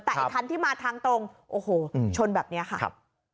แต่ไอ้คันที่มาทางตรงโอ้โหชนแบบนี้ค่ะครับ